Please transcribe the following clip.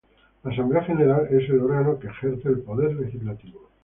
La Asamblea General es el órgano que ejerce el Poder Legislativo.